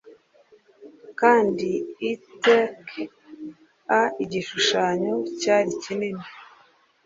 kandi etch-a-igishushanyo cyari kinini.